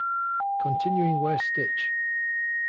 Continuing where Stitch!